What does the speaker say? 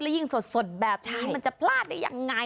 ยิ่งสดแบบนี้มันจะพลาดได้ยังไง